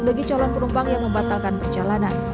bagi calon penumpang yang membatalkan perjalanan